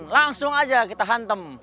langsung aja kita hantem